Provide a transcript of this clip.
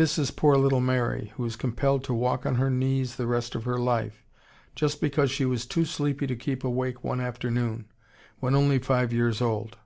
This is poor little Mary, who is compelled to walk on her knees the rest of her life just because she was too sleepy to keep awake one afternoon when only five years old.